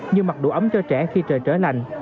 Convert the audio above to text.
như mặc đủ ấm cho trẻ khi trời trở lạnh